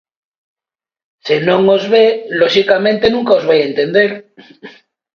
Se non os ve, loxicamente nunca os vai entender.